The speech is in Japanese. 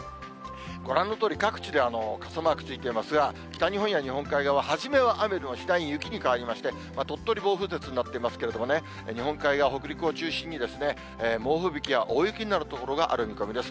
ご覧のとおり、各地で傘マークついていますが、北日本や日本海側、初めは雨でも、次第に雪に変わりまして、鳥取、暴風雪になっていますけれどもね、日本海側、北陸を中心に、猛吹雪や大雪になる所がある見込みです。